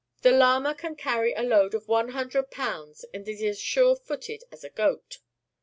The llama can carry a load of one hundred pounds and is as sure footed as a goat.